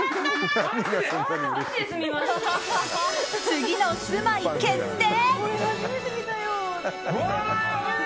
次の住まい決定！